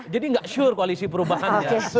jadi gak sure koalisi perubahan ya